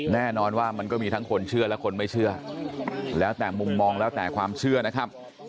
แน่นอนว่ามันก็มีทั้งคนเชื่อและคนไม่เชื่อแล้วแต่มุมมองแล้วแต่ความเชื่อนะครับ